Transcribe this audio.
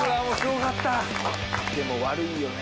でも悪いよね。